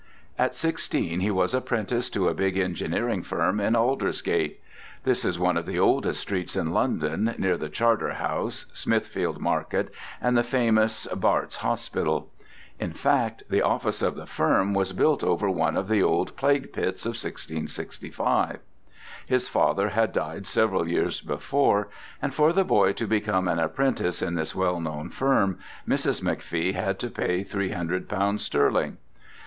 At sixteen he was apprenticed to a big engineering firm in Aldersgate. This is one of the oldest streets in London, near the Charterhouse, Smithfield Market, and the famous "Bart's" Hospital. In fact, the office of the firm was built over one of the old plague pits of 1665. His father had died several years before; and for the boy to become an apprentice in this well known firm Mrs. McFee had to pay three hundred pounds sterling.